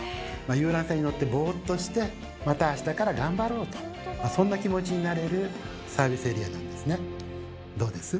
遊覧船に乗ってボーっとしてまた明日から頑張ろうとそんな気持ちになれるサービスエリアなんですね。